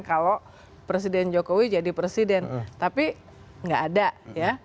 kalau presiden jokowi jadi presiden tapi nggak ada ya